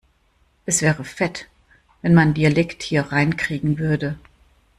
Es wäre fett, wenn man Dialekt hier reinkriegen würde.